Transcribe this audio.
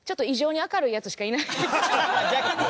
逆に？